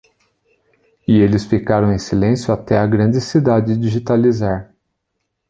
E eles ficaram em silêncio até a grande cidade digitalizar.